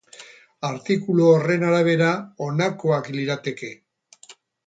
Artikulu horren arabera, honakoak lirateke.